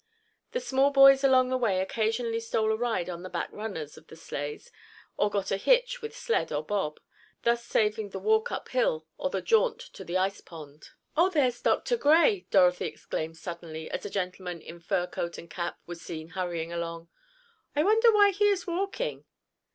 The small boys along the way occasionally stole a ride on the back runners of the sleighs, or "got a hitch" with sled or bob, thus saving the walk up hill or the jaunt to the ice pond. "Oh, there's Dr. Gray!" Dorothy exclaimed suddenly as a gentleman in fur coat and cap was seen hurrying along. "I wonder why he is walking?"